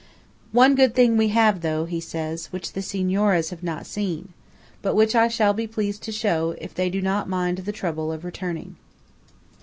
"One good thing we have, though," he says, "which the Signoras have not seen; but which I shall be pleased to show, if they do not mind the trouble of returning."